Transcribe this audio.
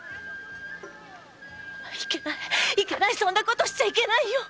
いけないそんなことしちゃいけないよ